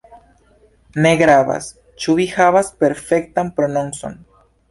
Ne gravas, ĉu vi havas perfektan prononcon.